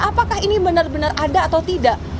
apakah ini benar benar ada atau tidak